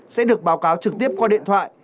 sẽ được báo cáo trực tiếp qua điện thoại